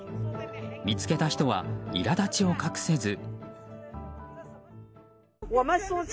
見つけた人は苛立ちを隠せず。